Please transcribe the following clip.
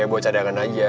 ya buat cadangan aja